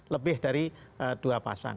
lebih dari dua pasang